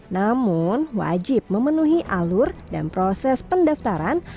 namun wajib memenuhi alur dan proses pendaftaran